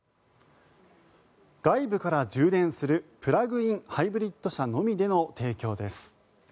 外部から充電するプラグイン・ハイブリッド車のみでの提供です。